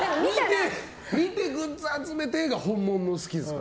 見て、グッズ集めてが本物の好きですよ。